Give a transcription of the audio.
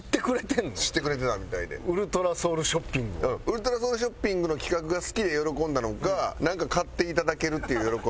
ウルトラソウルショッピングの企画が好きで喜んだのかなんか買っていただけるっていう喜びなのか。